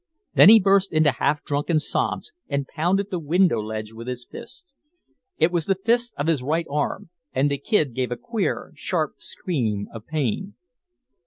Then he burst into half drunken sobs and pounded the window ledge with his fist. It was the fist of his right arm, and the kid gave a queer, sharp scream of pain.